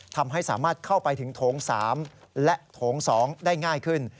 ทำให้สามารถเข้าไปถึงโถง๓และโถง๒ได้ง่ายขึ้น